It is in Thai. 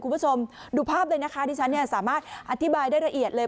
คุณผู้ชมดูภาพเลยนะคะที่ฉันเนี่ยสามารถอธิบายได้ละเอียดเลย